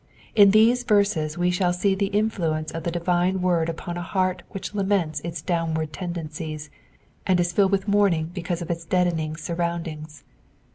In these verses we shall see the influence of the divine word upon a heart which laments its downward tendencies, and is filled with mourning because of its deadening surroundings.